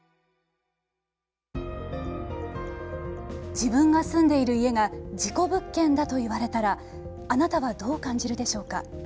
自分が住んでいる家が事故物件だと言われたらあなたはどう感じるでしょうか。